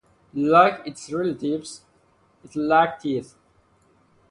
Like its relatives, it lacked teeth.